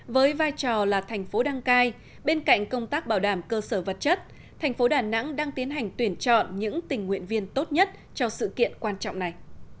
với vai trò là thành phố đăng cai bên cạnh công tác bảo đảm cơ sở vật chất thành phố đà nẵng đang tiến hành tuyển chọn những tình nguyện viên tốt nhất cho sự kiện quan trọng này